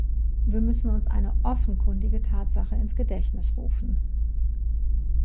Wir müssen uns eine offenkundige Tatsache ins Gedächtnis rufen.